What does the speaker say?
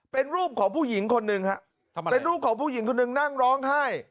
เป็นรูปของผู้หญิงคนหนึ่งฮะเป็นรูปของผู้หญิงคนหนึ่งนั่งร้องไห้